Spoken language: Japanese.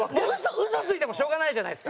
嘘ついてもしょうがないじゃないですか。